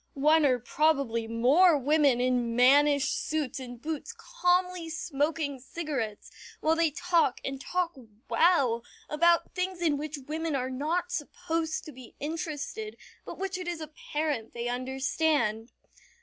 One or probably more women in mannish suits and boots calmly smoking cigarettes while they talk, and talk well, about things in which women are not supposed to be interested, but which it is apparent they understand.